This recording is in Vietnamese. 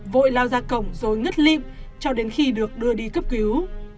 vội lao ra cổng rồi ngất lim cho đến khi được đưa đi cấp cứu